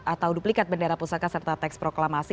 atau duplikat bendera pusaka serta teks proklamasi